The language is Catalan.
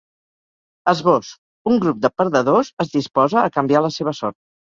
Esbós: Un grup de perdedors es disposa a canviar la seva sort.